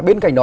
bên cạnh đó